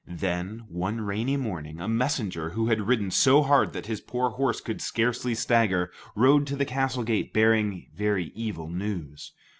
Then, one rainy morning, a messenger who had ridden so hard that his poor horse could scarcely stagger, rode to the castle gate bearing very evil news.